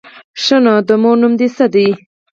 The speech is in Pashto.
_ښه نو، د مور نوم دې څه دی؟